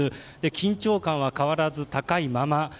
緊張感は変わらず高いまま。